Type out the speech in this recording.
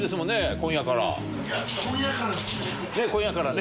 今夜からね。